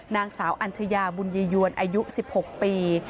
นางสาวอัญชญาบุญยยวรอายุสิบหกปี